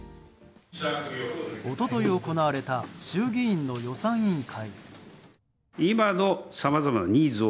一昨日行われた衆議院の予算委員会。